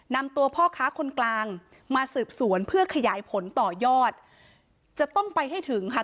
นำตัวพ่อค้าคนกลางมาสืบสวนเพื่อขยายผลต่อยอดจะต้องไปให้ถึงค่ะ